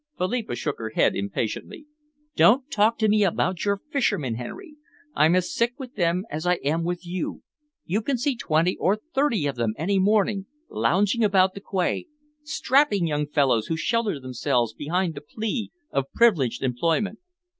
Philippa shook her head impatiently. "Don't talk to me about your fishermen, Henry! I'm as sick with them as I am with you. You can see twenty or thirty of them any morning, lounging about the quay, strapping young fellows who shelter themselves behind the plea of privileged employment.